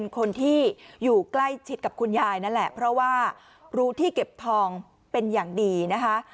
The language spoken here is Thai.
คนที่อยู่ใกล้ชิดกับคุณยายนั่นแหละเพราะว่ารู้ที่เก็บทองเป็นอย่างดีนะคะ